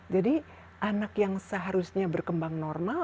jadi anak yang seharusnya berkembang normal